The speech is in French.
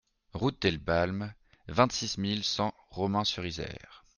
Route des Balmes, vingt-six mille cent Romans-sur-Isère